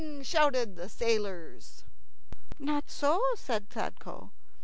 shouted the sailors. "Not so," said Sadko.